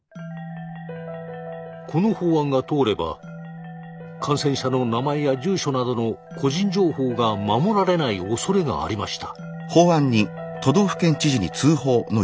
この法案が通れば感染者の名前や住所などの個人情報が守られないおそれがありました。